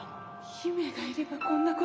姫がいればこんなこと。